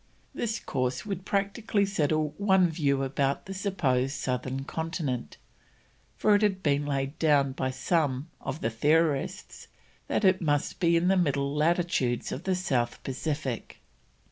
This course would practically settle one view about the supposed Southern Continent, for it had been laid down by some of the theorists that it must be in the middle latitudes of the South Pacific.